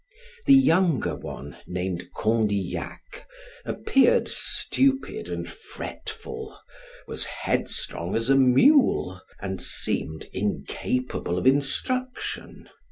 The younger one, named Condillac, appeared stupid and fretful, was headstrong as a mule, and seemed incapable of instruction.